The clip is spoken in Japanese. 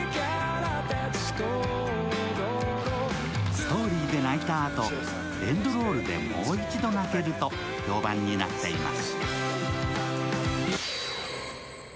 ストーリーで泣いた後、エンドロールでもう一度泣けると評判になっています。